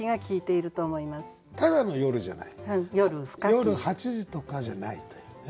夜８時とかじゃないというね。